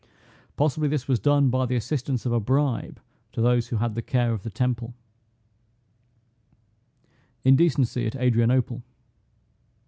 Possibly this was done by the assistance of a bribe, to those who had the care of the temple. INDECENCY AT ADRIANOPLE.